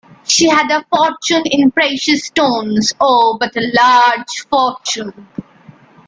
She had a fortune in precious stones — oh, but a large fortune!